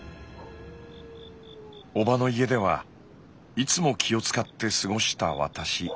おばの家ではいつも気を遣って過ごした私。